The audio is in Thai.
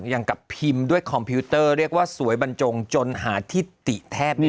อย่างกับพิมพ์ด้วยคอมพิวเตอร์เรียกว่าสวยบรรจงจนหาที่ติแทบไม่